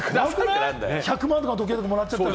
１００万の時計もらっちゃったら。